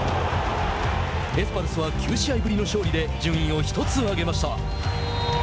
エスパルスは９試合ぶりの勝利で順位を１つ上げました。